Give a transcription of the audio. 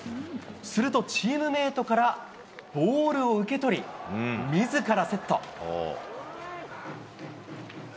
すると、チームメートからボールを受け取り、みずからセット。